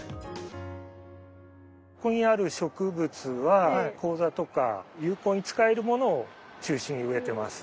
ここにある植物は講座とか有効に使えるものを中心に植えてます。